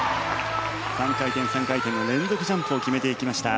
３回転３回転の連続ジャンプを決めていきました。